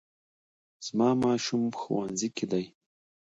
زما ماشوم ښوونځي کې دی